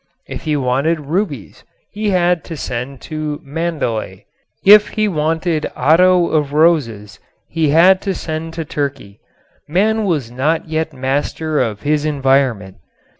If he wanted rubies he had to send to Mandalay. If he wanted otto of roses he had to send to Turkey. Man was not yet master of his environment.